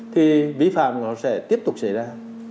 thì vi phạm nó sẽ tiếp tục xảy ra